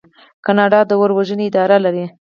کاناډا د اور وژنې اداره لري.